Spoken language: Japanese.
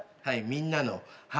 「みんなの歯」